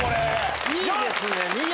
いいですね。